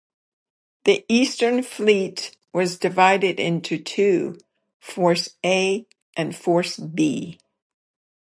The Eastern Fleet was divided into two: Force A and Force B.